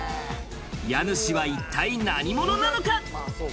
家主は一体何者なのか？